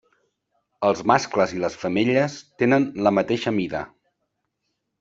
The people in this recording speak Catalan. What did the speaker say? Els mascles i les femelles tenen la mateixa mida.